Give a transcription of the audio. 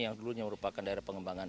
yang dulunya merupakan daerah pengembangan